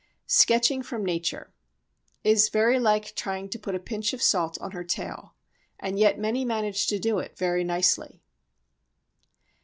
Sketching from Nature Is very like trying to put a pinch of salt on her tail. And yet many manage to do it very nicely.